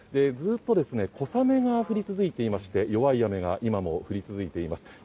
ずっと小雨が降り続いていまして弱い雨が今も降り続いています。